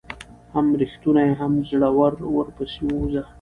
هم ريښتونى هم زړه ور ورپسي ووزه